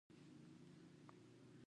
ایا ستاسو اوبه به یخې نه وي؟